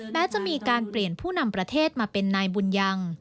แม้จะมีการเปลี่ยนผู้นำประเทศมาเป็นนายบุญยัง